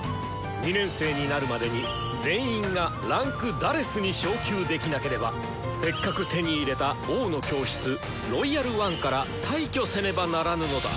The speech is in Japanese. ２年生になるまでに全員が位階「４」に昇級できなければせっかく手に入れた「王の教室」「ロイヤル・ワン」から退去せねばならぬのだ！